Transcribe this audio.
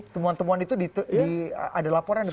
temuan temuan itu ada laporan